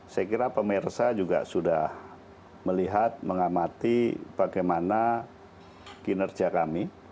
saya kira pemirsa juga sudah melihat mengamati bagaimana kinerja kami